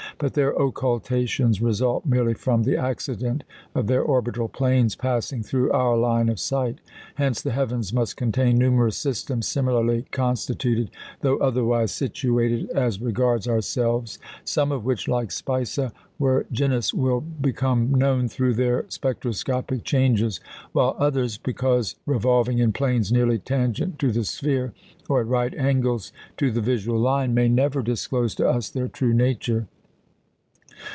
But their occultations result merely from the accident of their orbital planes passing through our line of sight; hence the heavens must contain numerous systems similarly constituted, though otherwise situated as regards ourselves, some of which, like Spica Virginis, will become known through their spectroscopic changes, while others, because revolving in planes nearly tangent to the sphere, or at right angles to the visual line, may never disclose to us their true nature.